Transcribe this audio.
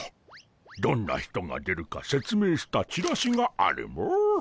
どんな人が出るか説明したチラシがあるモ。